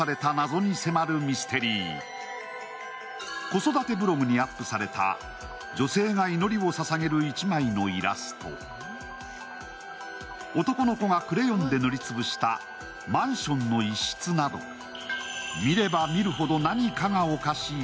子育てブログにアップされた女性が祈りを捧げる１枚のイラスト男の子がクレヨンで塗りつぶしたマンションの一室など、見れば見るほど何かがおかしい